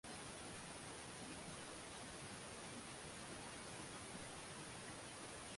Mwishoni uchumi na utaratibu pamoja na Ukristo viliharibika